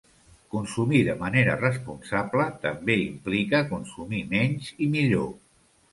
Consumir de manera responsable també implica consumir menys i millor.